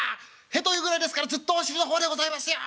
『へというぐらいですからずっとお尻の方でございますよ』。